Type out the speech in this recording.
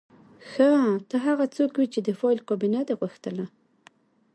ښه ته هغه څوک وې چې د فایل کابینه دې غوښتله